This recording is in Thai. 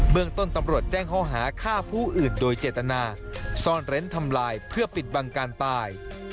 เมืองต้นตำรวจแจ้งข้อหาฆ่าผู้อื่นโดยเจตนาซ่อนเร้นทำลายเพื่อปิดบังการตาย